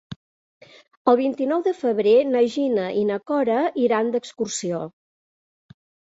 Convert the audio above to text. El vint-i-nou de febrer na Gina i na Cora iran d'excursió.